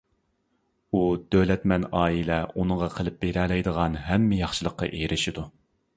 ئۇ دۆلەتمەن ئائىلە ئۇنىڭغا قىلىپ بېرەلەيدىغان ھەممە ياخشىلىققا ئېرىشىدۇ.